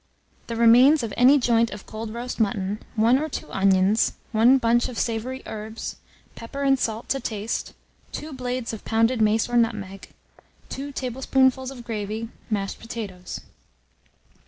The remains of any joint of cold roast mutton, 1 or 2 onions, 1 bunch of savoury herbs, pepper and salt to taste, 2 blades of pounded mace or nutmeg, 2 tablespoonfuls of gravy, mashed potatoes.